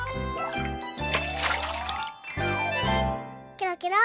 ケロケロ。